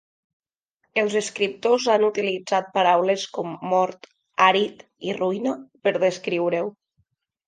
Els escriptors han utilitzat paraules com "mort", "àrid" i "ruïna" per descriure-ho.